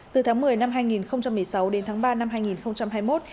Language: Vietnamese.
từ tháng một mươi năm hai nghìn một mươi sáu đến tháng ba năm hai nghìn hai mươi một